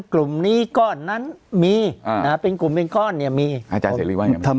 กลุ่มนี้ก้อนนั้นมีอ่าเป็นกลุ่มเป็นก้อนเนี้ยมีอ่าจารย์เสียรีว่าอย่างเงี้ย